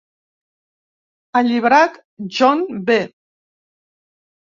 Alliberat, John B.